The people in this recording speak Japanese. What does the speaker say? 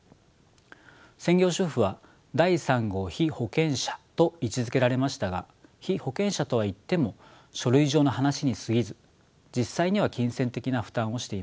専業主婦は第３号被保険者と位置づけられましたが被保険者とはいっても書類上の話にすぎず実際には金銭的な負担をしていません。